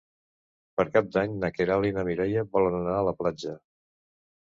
Per Cap d'Any na Queralt i na Mireia volen anar a la platja.